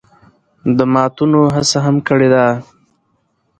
د ماتونو هڅه هم کړې ده